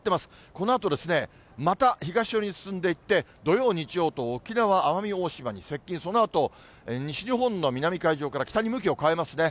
このあと、また東寄りに進んでいって、土曜、日曜と沖縄・奄美大島に接近、そのあと、西日本の南海上から北に向きを変えますね。